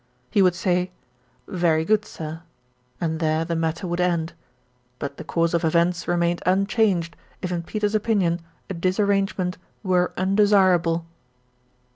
He would say, "Very good, sir," and there the matter would end; but the course of events remained unchanged, if in Peters' opinion a disarrangement were undesirable.